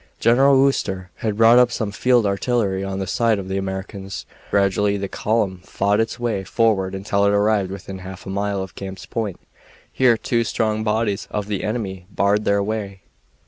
General Wooster had brought up some field artillery on the side of the Americans. Gradually the column fought its way forward until it arrived within half a mile of Camp's Point. Here two strong bodies of the enemy barred their way.